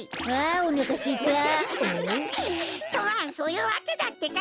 とまあそういうわけだってか！